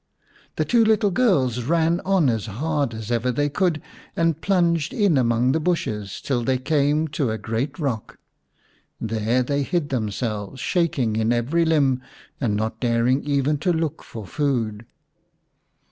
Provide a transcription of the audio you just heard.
The two little girls ran on as hard as ever they could and plunged in among the bushes till they came to a great rock. There they hid themselves, shaking in every limb, and not daring even to look for food.